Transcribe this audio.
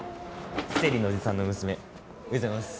生理のおじさんの娘おはようございます。